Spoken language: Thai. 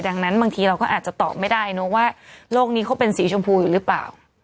ดังนั้นบางทีเราก็อาจจะตอบไม่ได้เนอะว่าโลกนี้เขาเป็นสีชมพูอยู่หรือเปล่า